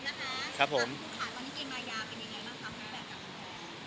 คุณผู้ชายตอนนี้กินรายยาวเป็นยังไงบ้างครับ